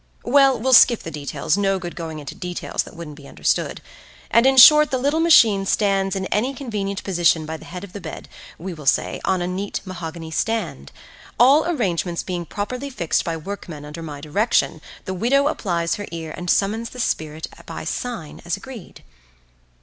—well, we'll skip the details, no good going into details that wouldn't be understood—and in short the little machine stands in any convenient position by the head of the bed, we will say, on a neat mahogany stand. All arrangements being properly fixed by workmen under my direction, the widow applies her ear and summons the spirit by sign as agreed.